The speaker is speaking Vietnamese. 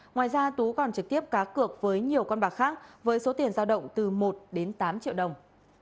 ngoài ra tú còn trực tiếp cá cược với nhiều con bạc khác với số tiền giao động từ một đến tám triệu đồng